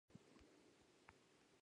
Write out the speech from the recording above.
دی چټک تونل ته ننوت.